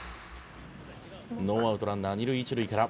「ノーアウトランナー二塁一塁から」